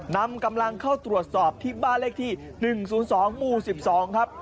นำกำลังเข้าตรวจสอบที่บ้านเลขที่๑๐๒หมู่๑๒ครับ